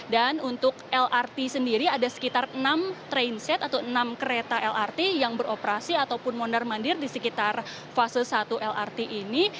dan untuk lrt sendiri ada sekitar enam trainset atau enam kereta lrt yang beroperasi ataupun mondar mandir di sekitar fase satu lrt ini